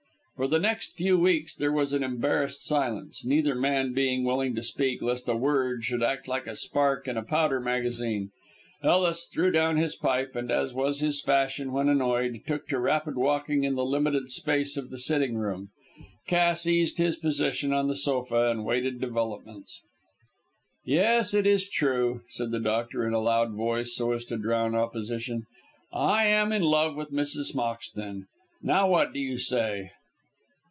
For the next few minutes there was an embarrassed silence, neither man being willing to speak, lest a word should act like a spark in a powder magazine. Ellis threw down his pipe, and, as was his fashion when annoyed, took to rapid walking in the limited space of the sitting room. Cass eased his position on the sofa and waited developments. "Yes, it is true," said the doctor, in a loud voice, so as to drown opposition. "I am in love with Mrs. Moxton. Now, what do you say?"